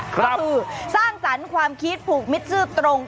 ก็คือสร้างสรรค์ความคิดผูกมิตรซื่อตรง